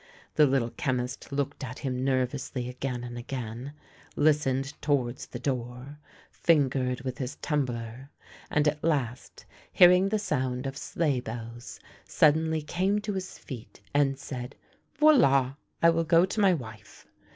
The Little Chemist looked at him nervously again and again, listened towards the door, fingered with his tumbler, and at last hearing the sound of sleigh bells, suddenly came to his feet,* and said: " Voila, I will go to my wife."